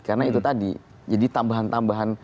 karena itu tadi jadi tambahan tambahan